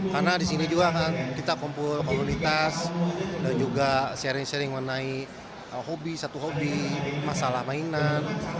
karena di sini juga kan kita kumpul komunitas dan juga sharing sharing mengenai hobi satu hobi masalah mainan